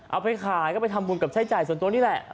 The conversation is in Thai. เอาไปขายก็ไปทำบุญกับใช้จ่ายส่วนตัวนี่แหละ